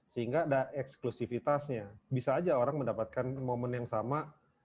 sehingga ada eksklusifitasnya bisa aja orang mendapatkan momen yang sama